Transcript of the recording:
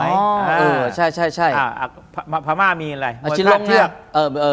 เออใช่ใช่ใช่อ่าพม่ามีอะไรมาชิดโรคเทือกเออเออ